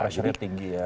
pressure tinggi ya